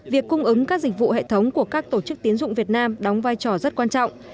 việc cung ứng các dịch vụ hệ thống của các tổ chức tiến dụng việt nam đóng vai trò rất quan trọng